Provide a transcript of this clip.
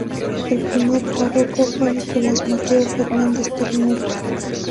El primer párroco fue Nicolás Mateo Fernández Ternero.